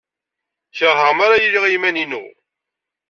Keṛheɣ mi ara iliɣ i yiman-inu.